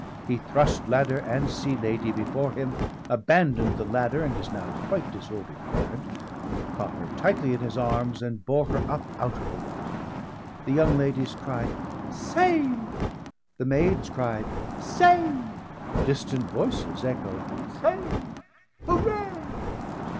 He thrust ladder and Sea Lady before him, abandoned the ladder and his now quite disordered parent, caught her tightly in his arms, and bore her up out of the water. The young ladies cried "Saved!" the maids cried "Saved!" Distant voices echoed "Saved, Hooray!"